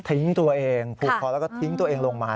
ทิ้งตัวเองพูดคอและก็ทิ้งตัวเองลงมา